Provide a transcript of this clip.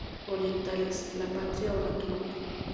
¡Orientales, la Patria o la Tumba!